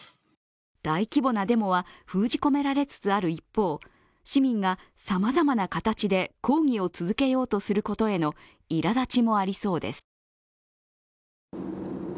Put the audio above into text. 大規模なデモは封じ込められつつある一方市民がさまざまな形で抗議を続けようとすることへのいらだちもありそうです。